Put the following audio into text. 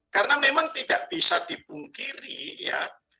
karena memang tidak bisa dipungkiri ya